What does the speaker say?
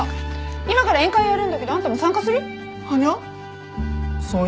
今から宴会やるんだけどあんたも参加する？はにゃ？